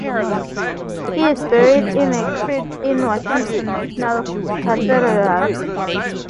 He is buried in a crypt in Washington National Cathedral.